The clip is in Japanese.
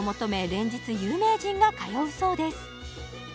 連日有名人が通うそうです